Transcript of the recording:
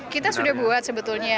kita sudah buat sebetulnya